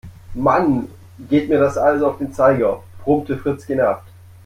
Mann, geht mir das alles auf den Zeiger, brummte Fritz genervt.